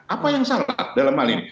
apa yang salah dalam hal ini